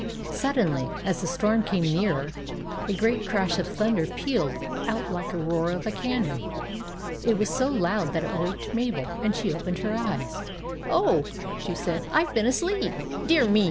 Sud denly, as the storm came nearer, a great crash of thunder pealed out like the roar of a cannon. It was so loud that it waked Mabel, and she opened her eyes. " Oh !" she said, " I Ve been asleep. Dear me